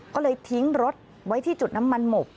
ก็เลยทิ้งรถไว้ที่จุดน้ำมันหมก